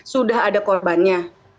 sudah ada korbannya